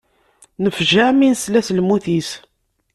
Nefjeε mi nesla s lmut-is.